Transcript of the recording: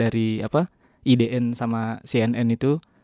dari idn sama cnn itu